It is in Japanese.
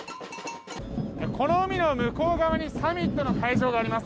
この海の向こう側にサミットの会場があります。